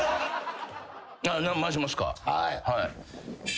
回しますか。